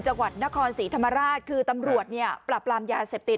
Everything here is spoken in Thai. จังหวัดนครศรีธรรมราชคือตำรวจเนี่ยปรับรามยาเสพติด